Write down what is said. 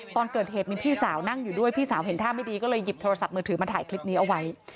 ตอนเกิดเหตุมีพี่สาวนั่งอยู่ด้วยพี่สาวเห็นท่าไม่ดีก็เลยหยิบโทรศัพท์มือถือมาถ่ายคลิปนี้เอาไว้